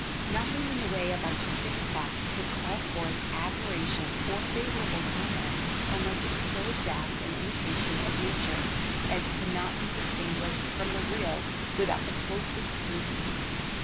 Nothing in the way of artistic effect could call forth admiration or favorable comment unless it was so exact an imitation of nature as to not be distinguished from the real without the closest scrutiny.